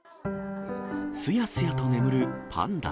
すやすやと眠るパンダ。